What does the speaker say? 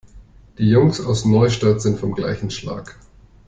Die Jungs aus Neustadt sind vom gleichen Schlag.